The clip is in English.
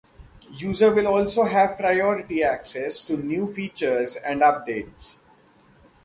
User will also have priority access to new features and updates.